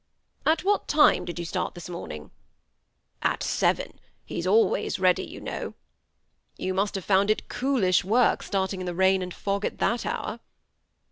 ^ At what time did you start this morning ?" THE SBWI ATTACHED COUPLE. 168 At seven ; he's always ready, you know." ^' You must have found it coolish work, starting in the rain and fog at that hour